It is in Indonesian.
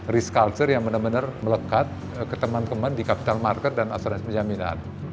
risk culture yang benar benar melekat ke teman teman di capital market dan asuransi penjaminan